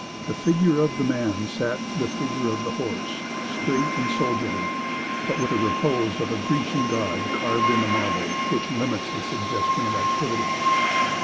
The figure of the man sat the figure of the horse, straight and soldierly, but with the repose of a Grecian god carved in the marble which limits the suggestion of activity.